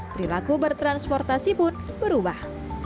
perilaku bertransportasi pun berubah